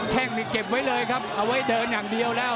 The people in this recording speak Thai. แค่งนี่เก็บไว้เลยครับเอาไว้เดินอย่างเดียวแล้ว